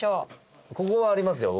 ここはありますよ